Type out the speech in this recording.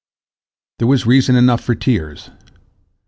There was reason enough for tears.